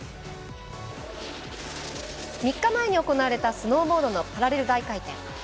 ３日前に行われたスノーボードのパラレル大回転。